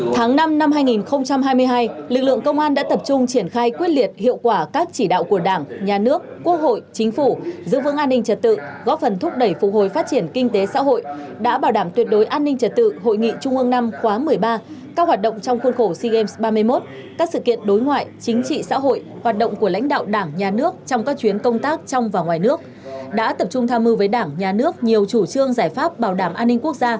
tháng năm năm hai nghìn hai mươi hai lực lượng công an đã tập trung triển khai quyết liệt hiệu quả các chỉ đạo của đảng nhà nước quốc hội chính phủ giữ vững an ninh trật tự góp phần thúc đẩy phục hồi phát triển kinh tế xã hội đã bảo đảm tuyệt đối an ninh trật tự hội nghị trung ương năm khóa một mươi ba các hoạt động trong khuôn khổ sea games ba mươi một các sự kiện đối ngoại chính trị xã hội hoạt động của lãnh đạo đảng nhà nước trong các chuyến công tác trong và ngoài nước đã tập trung tham mưu với đảng nhà nước nhiều chủ trương giải pháp bảo đảm an ninh quốc gia